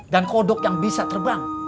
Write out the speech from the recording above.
dan kodok yang bisa terbang